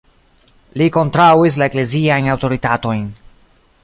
Li kontraŭis la ekleziajn aŭtoritatojn.